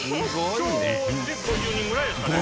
今日で５０人ぐらいですかね。